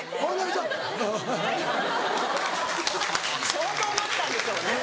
相当待ったんでしょうね。